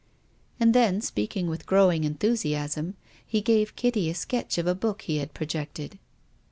And then, speaking with growing enthusiasm, he gave Kitty a sketch of a book he had pro jected.